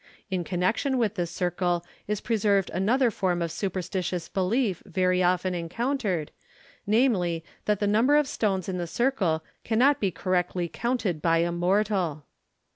In connection with this circle is preserved another form of superstitious belief very often encountered, namely, that the number of stones in the circle cannot be correctly counted by a mortal.